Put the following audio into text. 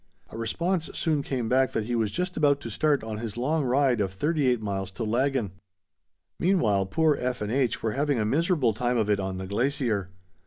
A response soon came back that he was just about to start on his long ride of thirty eight miles to Laggan. Meanwhile poor F. and H. were having a miserable time of it on the glacier.